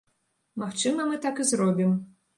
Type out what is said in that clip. Магчыма, мы так і зробім.